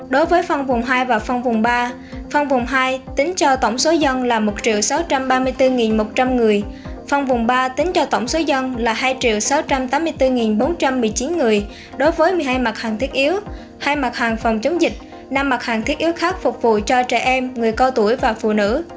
đối với phân vùng hai và phân vùng ba phân vùng hai tính cho tổng số dân là một sáu trăm ba mươi bốn một trăm linh người phân vùng ba tính cho tổng số dân là hai sáu trăm tám mươi bốn bốn trăm một mươi chín người đối với một mươi hai mặt hàng thiết yếu hai mặt hàng phòng chống dịch năm mặt hàng thiết yếu khác phục vụ cho trẻ em người cao tuổi và phụ nữ